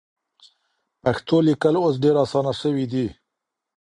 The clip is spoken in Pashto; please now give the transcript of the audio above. پښتو لیکل اوس ډېر اسانه سوي دي.